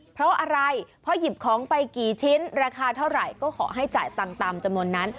เพราะอะไรเพราะหยิบของไปกี่ชิ้นราคาเท่าไหร่ก็ขอให้จ่ายตังค์ตามจำนวนนั้น